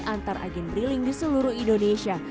antar agen bri link di seluruh indonesia